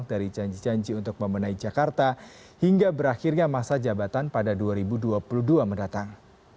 dari janji janji untuk memenai jakarta hingga berakhirnya masa jabatan pada dua ribu dua puluh dua mendatang